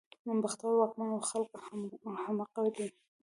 بختور واکمن او خلک همغه دي.